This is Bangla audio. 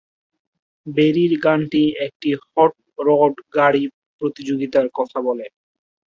বেরির গানটি একটি হট রড গাড়ি প্রতিযোগিতার কথা বলে।